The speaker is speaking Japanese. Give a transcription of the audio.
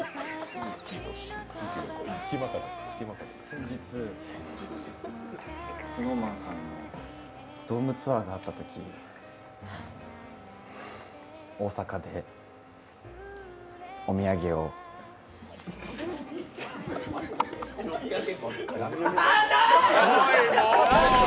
先日、ＳｎｏｗＭａｎさんのドームツアーがあったとき、大阪で、お土産をアウト！